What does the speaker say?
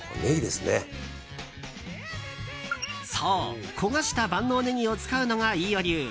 そう、焦がした万能ネギを使うのが飯尾流。